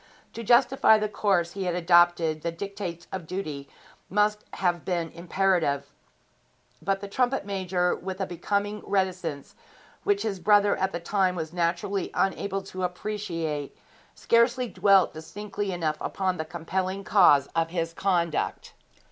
To justify the course he had adopted the dictates of duty must have been imperative; but the trumpet major, with a becoming reticence which his brother at the time was naturally unable to appreciate, scarcely dwelt distinctly enough upon the compelling cause of his conduct.